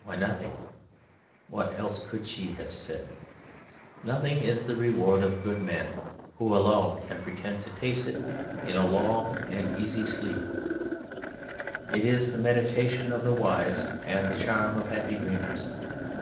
Why, Nothing what else could she have said? Nothing is the reward of good men who alone can pretend to taste it in long easy sleep, it is the meditation of the wise and the charm of happy dreamers.